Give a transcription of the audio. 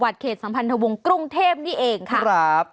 เขตสัมพันธวงศ์กรุงเทพนี่เองค่ะครับ